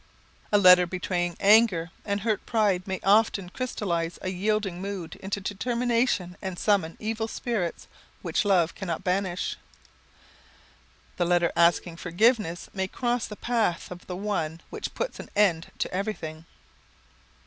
[Sidenote: Misunderstood] A letter betraying anger and hurt pride may often crystallise a yielding mood into determination and summon evil spirits which love cannot banish. The letter asking forgiveness may cross the path of the one which puts an end to everything.